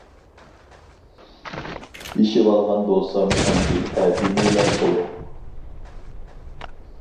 ئېشىۋالغان بولسام ئەمدى ھە دېمەيلا قويۇڭ.